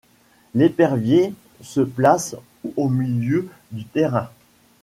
L'épervier se place au milieu du terrain.